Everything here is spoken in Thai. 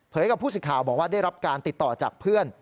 กับผู้สิทธิ์ข่าวบอกว่าได้รับการติดต่อจากเพื่อน